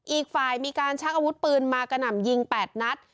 อีกฝ่ายมีการชักอาวุธปืนมากระหน่ำยิง๘นัด